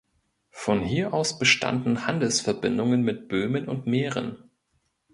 Von hier aus bestanden Handelsverbindungen mit Böhmen und Mähren.